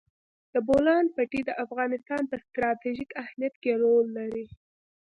د بولان پټي د افغانستان په ستراتیژیک اهمیت کې رول لري.